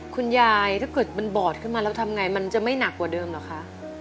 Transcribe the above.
ถ้าเกิดมันบอดขึ้นมาแล้วทำไงมันจะไม่หนักกว่าเดิมเหรอคะ